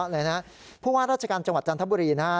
เพราะว่าราชการจังหวัดจันทบุรีนะครับ